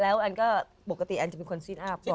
แล้วแอ้นก็ปกติแอ้นจะเป็นคนซินอัพ